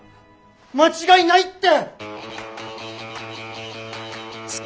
間違いないって！